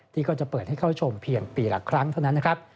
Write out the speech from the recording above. ก็จะเปิดให้เข้าชมเพียงปีละครั้งเท่านั้นนะครับ